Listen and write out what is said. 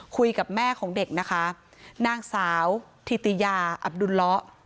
คุยกับแม่ของเด็กนะคะนางสาวถิติยาอับดุลเลาะ